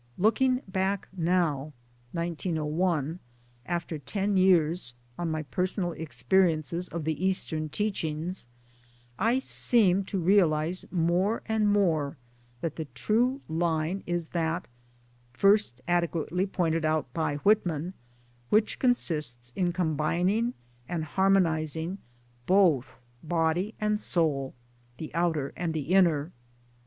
Looking back now after ten years, on my personal experiences of the Eastern teachings, I seem to realize more and more that the true line is that (first adequately pointed out by Whitman) which consists in combining and harmonizing both body and soul, the outer and the inner.